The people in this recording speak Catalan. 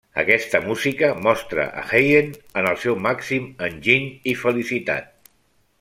Aquesta música mostra a Haydn en el seu màxim enginy i felicitat.